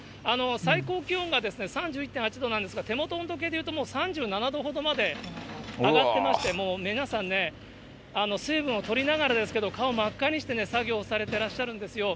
最高気温が３１．８度なんですが、手元の温度計でいうと３７度ほどまで上がってまして、もう皆さんね、水分を取りながらですけれども、顔真っ赤にして作業をされてらっしゃるんですよ。